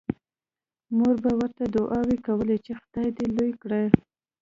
مور به ورته دعاوې کولې چې خدای دې لوی کړي